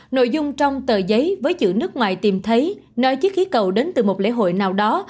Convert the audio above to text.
nội dung trong tờ giấy với chữ nước ngoài tìm thấy nơi chiếc khí cầu đến từ một lễ hội nào đó